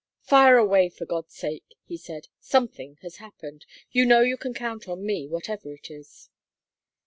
"Fire away, for God's sake," he said. "Something has happened. You know you can count on me, whatever it is."